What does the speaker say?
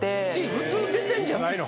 普通出てんじゃないの？